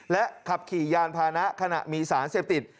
และขับขี่ยานพานะขณะมีสารเสพติด